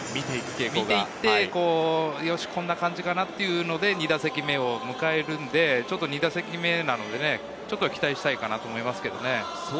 見ていて、よしこんな感じかなというので、２打席目を迎えるので、今２打席目なので、ちょっと期待したいと思います。